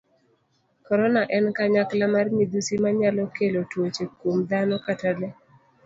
Korona en kanyakla mar midhusi manyalo kelo tuoche kuom dhano kata lee.